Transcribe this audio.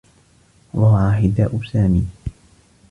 ضاع حذاء سامي.